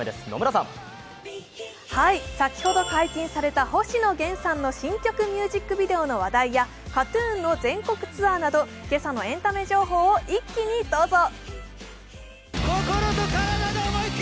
先ほど解禁された星野源さんの新曲ミュージックビデオの話題やＫＡＴ−ＴＵＮの全国ツアーなど今朝のエンタメ情報を一気にどうぞ。